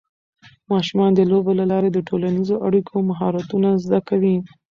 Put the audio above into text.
ماشومان د لوبو له لارې د ټولنیزو اړیکو مهارتونه زده کوي.